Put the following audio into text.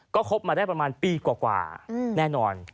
ก็คบมาได้ประมาณปีกว่าแน่นอน